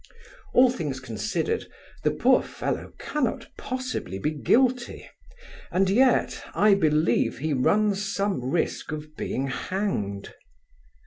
All things considered, the poor fellow cannot possibly be guilty, and yet, I believe, he runs some risque of being hanged.